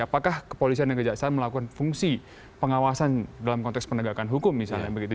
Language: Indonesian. apakah kepolisian dan kejaksaan melakukan fungsi pengawasan dalam konteks penegakan hukum misalnya begitu